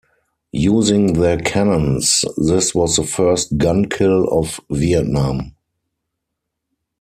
Using their cannons, this was the first gun kill of Vietnam.